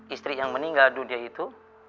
istri yang meninggal dunia itu